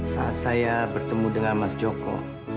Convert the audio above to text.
saat saya bertemu dengan mas joko